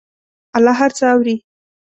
الله هر څه اوري.